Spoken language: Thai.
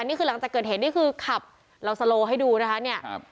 นี่คือหลังจากเกิดเหตุนี่คือขับเราสโลให้ดูนะคะเนี่ย